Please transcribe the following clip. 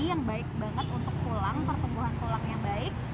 yang baik banget untuk kulang pertumbuhan kulang yang baik